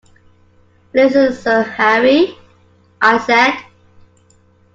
“Listen, Sir Harry,” I said.